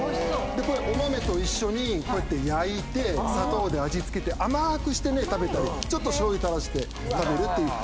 お豆と一緒にこうやって焼いて砂糖で味付けて甘ーくしてね食べたりちょっとしょうゆ垂らして食べるという。